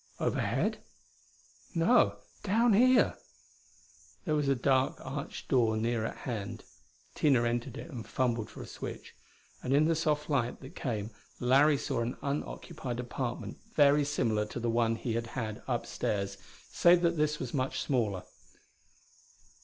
"Overhead?" "No; down here." There was a dark, arched door near at hand. Tina entered it and fumbled for a switch, and in the soft light that came Larry saw an unoccupied apartment very similar to the one he had had upstairs, save that this was much smaller.